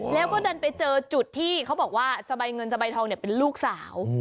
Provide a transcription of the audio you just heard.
แล้วก็ดันไปเจอจุดที่เขาบอกว่าสบายเงินสบายทองเนี่ยเป็นลูกสาว